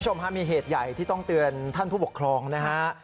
กุโฉมท่านมีเหตุใหญ่ที่ต้องเตือนท่านผู้ปกครองนะครับ